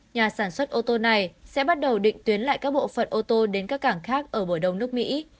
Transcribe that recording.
nhà sản xuất ô tô này sẽ bắt đầu định tuyến lại các bộ phận ô tô đến các cảng khác ở bời đông nước mỹ